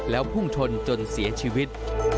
แล้วพุ่งชนจนเสียชีวิต